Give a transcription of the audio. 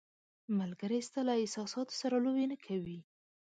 ملګری ستا له احساساتو سره لوبې نه کوي.